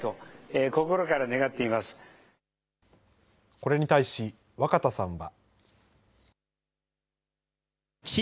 これに対し若田さんは。